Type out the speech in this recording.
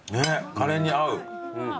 カレーに合う。